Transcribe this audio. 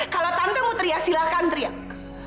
kalau tante mau teriak silahkan teriak